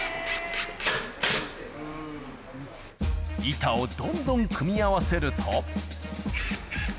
板をどんどん組み合わせると。